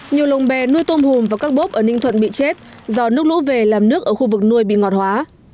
nhiều lồng bè nuôi tôm hùm và các bốp ở ninh thuận bị chết do nước lũ về làm nước ở khu vực nuôi bị ngọt hóa